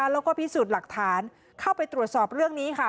แล้วก็พิสูจน์หลักฐานเข้าไปตรวจสอบเรื่องนี้ค่ะ